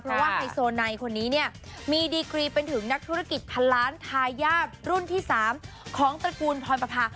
เพราะว่าไฮโซไนคนนี้เนี่ยมีดีกรีเป็นถึงนักธุรกิจพันล้านทายาทรุ่นที่๓ของตระกูลพรประพา